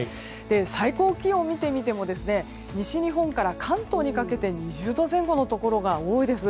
最高気温を見てみても西日本から関東にかけて２０度前後のところが多いです。